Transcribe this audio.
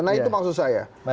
nah itu maksud saya